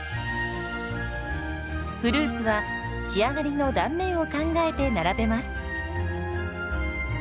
フルーツは仕上がりの断面を考えて並べます。